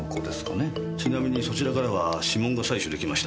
ちなみにそちらからは指紋が採取出来ました。